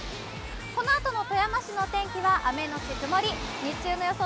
このあとの富山市の天気は雨のち曇り、日中の予想